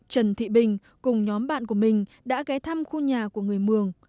trần thị bình cùng nhóm bạn của mình đã ghé thăm khu nhà của người mường